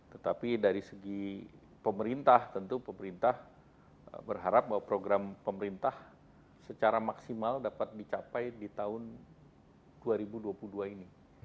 tetapi dari segi pemerintah tentu pemerintah berharap bahwa program pemerintah secara maksimal dapat dicapai di tahun dua ribu dua puluh dua ini